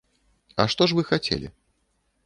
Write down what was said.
А што ж вы хацелі?